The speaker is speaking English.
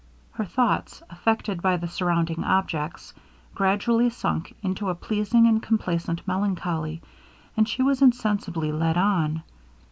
Her thoughts, affected by the surrounding objects, gradually sunk into a pleasing and complacent melancholy, and she was insensibly led on.